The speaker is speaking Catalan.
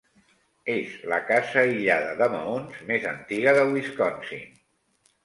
És la casa aïllada de maons més antiga de Wisconsin.